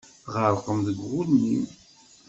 Tɣerqem deg ugelmim.